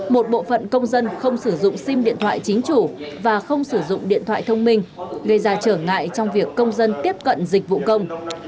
một bộ phận công dân không sử dụng sim điện thoại chính chủ và không sử dụng điện thoại thông minh gây ra trở ngại trong việc công dân tiếp cận dịch vụ công